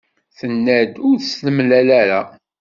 Tenna-d ur t-temlal ara.